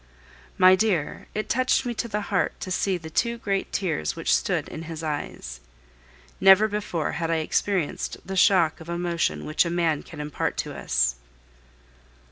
My dear, it touched me to the heart to see the two great tears which stood in his eyes. Never before had I experienced the shock of emotion which a man can impart to us.